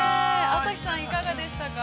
朝日さん、いかがでしたか。